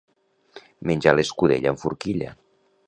Menjar l'escudella amb forquilla.